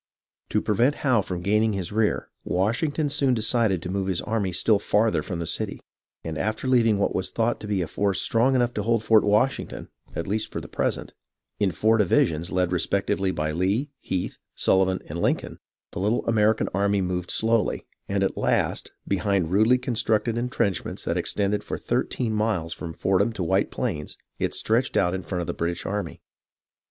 To prevent Howe from gaining his rear, Washington soon decided to move his army still farther from the city ; and after leaving what was thought to be a force strong enough to hold Fort Washington, at least for the present, in four divisions, led respectively by Lee, Heath, Sullivan, and Lincoln, the little American army moved slowly ; and at last, behind rudely constructed entrenchments that ex tended for thirteen miles from Fordham to White Plains, it stretched out in front of the British army.